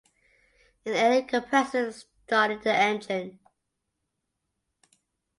An air compressor started the engine.